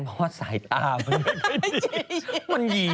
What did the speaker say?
เพราะว่าสายตามันมันไม่เป็นที่